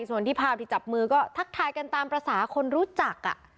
ส่วนที่ภาพที่จับมือก็ทักทายกันตามภาษาคนรู้จัก